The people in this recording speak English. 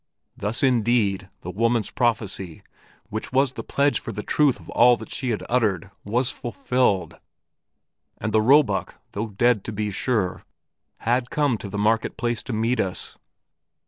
Thus indeed the woman's prophecy, which was the pledge for the truth of all that she had uttered, was fulfilled, and the roebuck, although dead to be sure, had come to the market place to meet us.